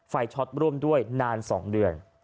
ช็อตร่วมด้วยนาน๒เดือน